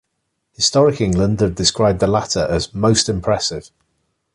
Historic England have described the latter as "most impressive".